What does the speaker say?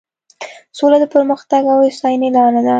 سوله د پرمختګ او هوساینې لاره ده.